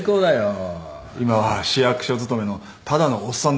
今は市役所勤めのただのおっさんです。